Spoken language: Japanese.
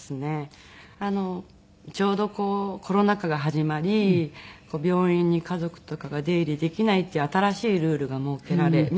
ちょうどこうコロナ禍が始まり病院に家族とかが出入りできないっていう新しいルールが設けられみたいな。